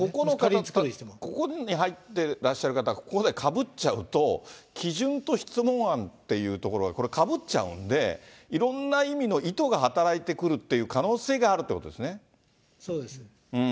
つまりここに入ってらっしゃる方は、ここでかぶっちゃうと、基準と質問案っていうところが、これ、かぶっちゃうんで、いろんな意味の意図が働いてくるっていう可能性があるということそうです。